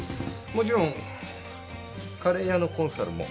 もちろんカレー屋のコンサルも。